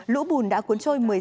lũ bùn đã cuốn trôi